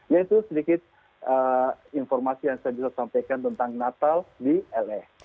ya itu sedikit informasi yang saya bisa sampaikan tentang natal di leh